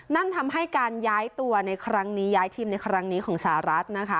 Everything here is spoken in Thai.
นั่นทำให้การย้ายตัวในครั้งนี้ย้ายทีมในครั้งนี้ของสหรัฐนะคะ